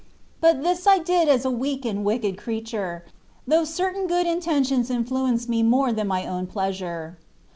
But this I did as a weak and wicked creature, though certain good inten tions influenced me more than my own pleasure.